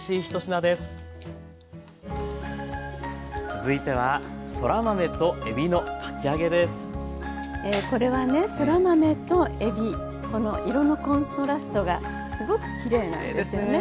続いてはえこれはねそら豆とえびこの色のコントラストがすごくきれいなんですよね。